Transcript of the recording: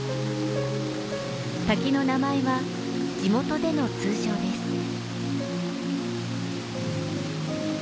滝の名前は地元での通称です。